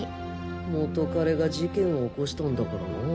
元カレが事件を起こしたんだからな。